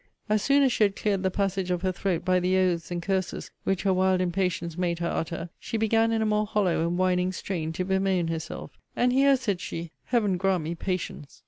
As soon as she had cleared the passage of her throat by the oaths and curses which her wild impatience made her utter, she began in a more hollow and whining strain to bemoan herself. And here, said she Heaven grant me patience!